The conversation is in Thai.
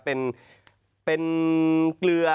เป็นเกลือ